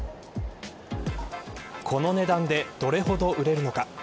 この値段でどれほど売れるのか。